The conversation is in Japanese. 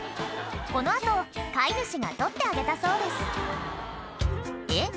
この後飼い主が取ってあげたそうですえっ？